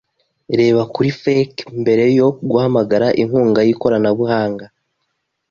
Reba kuri FAQ mbere yo guhamagara inkunga yikoranabuhanga.